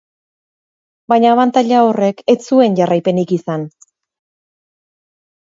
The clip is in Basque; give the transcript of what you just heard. Baina abantaila horrek ez zuen jarraipenik izan.